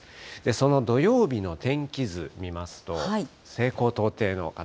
その土曜日の天気図見ますと、西高東低の形。